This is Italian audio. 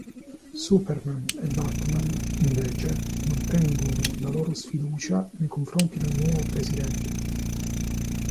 Superman e Batman, invece, mantengono la loro sfiducia nei confronti del nuovo presidente.